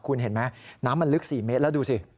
คุณเห็นไหมน้ำมันลึก๔เมตรแล้วดูสิ